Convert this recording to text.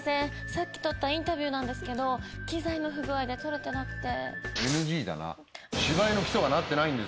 さっき撮ったインタビューなんですけど機材の不具合で撮れてなくて。